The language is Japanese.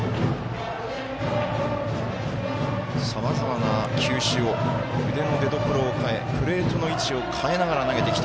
さまざまな球種を腕の出どころを変えプレートの位置を変えながら投げてきた